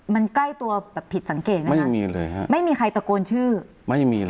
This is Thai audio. มันใกล้ตัวแบบผิดสังเกตไหมไม่มีเลยฮะไม่มีใครตะโกนชื่อไม่มีเลย